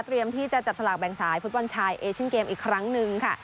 ที่จะจับสลากแบ่งสายฟุตบอลชายเอเชียนเกมอีกครั้งหนึ่งค่ะ